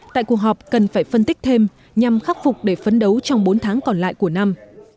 tại cuộc họp cần phải phân tích thêm nhằm khắc phục để phấn đấu trong bốn tháng còn lại của năm